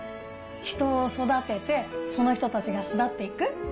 人を育てて、その人たちが巣立っていく。